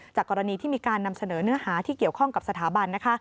กรณีที่มีการนำเสนอเนื้อหาที่เกี่ยวข้องกับสถาบันนะคะ